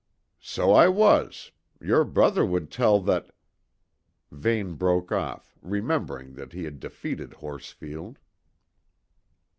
"So I was; your brother would tell that " Vane broke off, remembering that he had defeated Horsfield.